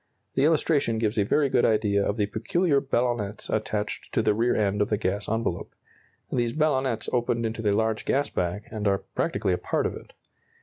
The illustration gives a very good idea of the peculiar ballonnets attached to the rear end of the gas envelope. These ballonnets open into the large gas bag, and are practically a part of it.